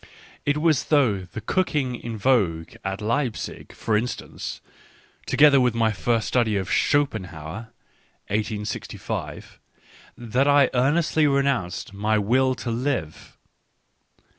It was through the cook ing in vogue at Leipzig, for instance, together with my first study of Schopenhauer (1865), that I earnestly renounced my "Will to Live."